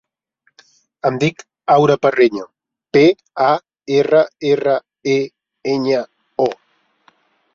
Em dic Aura Parreño: pe, a, erra, erra, e, enya, o.